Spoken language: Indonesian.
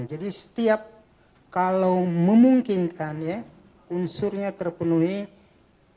jadi setiap kalau memungkinkan unsurnya terpenuhi tindak pidana korupsi